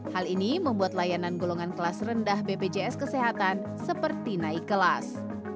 hal ini membuat layanan golongan kelas rendah bpjs kesehatan seperti naik kelas